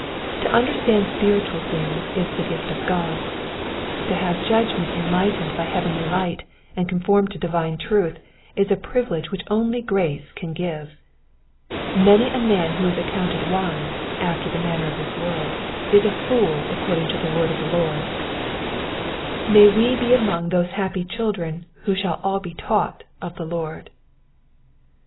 To understand spiritual things is the gift of God. To have a judgment enlightened by heavenly light and conformed to divine truth is a privilege which only grace can give. Many a man who is accounted wise after the manner of this world is a fool Digitized by VjOOQIC PSALM Ol^E HUICDBED AND NIKBTEEN — ^VEKSES 169 TO 176. 345 according to the word of the Lord. May we be among those happy children who shall all be taught of the Lord.